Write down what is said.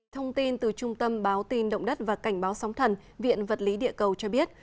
thông tin từ trung tâm báo tin động đất và cảnh báo sóng thần viện vật lý địa cầu cho biết